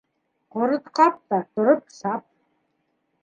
Ҡорот кап та - Тороп сап!